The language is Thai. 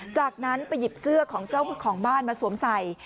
จากนั้นไปหยิบเสื้อของเจ้าของบ้านมาสวมใส่